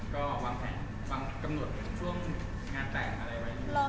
ก็วางแผนวางกำหนดช่วงงานแต่งอะไรไว้